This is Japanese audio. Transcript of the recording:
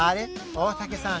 大竹さん